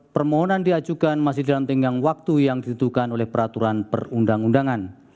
permohonan diajukan masih dalam tenggang waktu yang ditentukan oleh peraturan perundang undangan